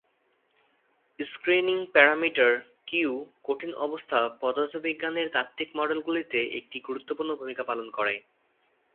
Screening parameter "Q" কঠিন-অবস্থা পদার্থবিজ্ঞানের তাত্ত্বিক মডেলগুলিতে একটি গুরুত্বপূর্ণ ভূমিকা পালন করে।